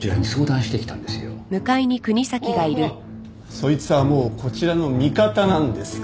そいつはもうこちらの味方なんですか。